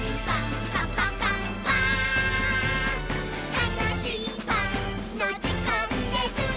「たのしいパンのじかんです！」